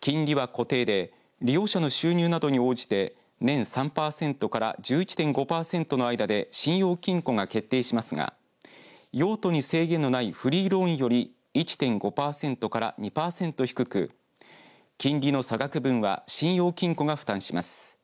金利は固定で利用者の収納などに応じて年３パーセントから１１．５パーセントの間で信用金庫が決定しますが用途に制限のないフリーローンより１．５パーセントから２パーセント低く金利の差額分は信用金庫が負担します。